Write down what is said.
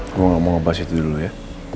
saya nggak mau ngebahas itu dulu ya